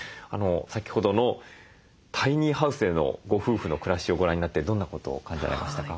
先ほどのタイニーハウスでのご夫婦の暮らしをご覧になってどんなことを感じられましたか？